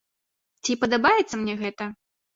Ці падабаецца мне гэта?